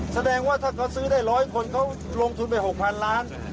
แสดงว่าถ้าเขาซื้อได้๑๐๐คนเขาลงทุนไป๖๐๐๐ล้าน